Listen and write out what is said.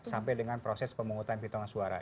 sampai dengan proses pemohonan pilihan suara